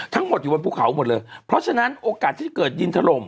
ทั้งหมดอยู่บนภูเขาหมดเลยเพราะฉะนั้นโอกาสที่เกิดดินถล่ม